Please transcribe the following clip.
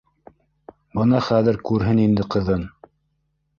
Бына хәҙер күрһен инде ҡыҙын.